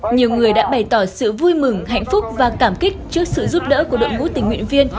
nhiều người đã bày tỏ sự vui mừng hạnh phúc và cảm kích trước sự giúp đỡ của đội ngũ tình nguyện viên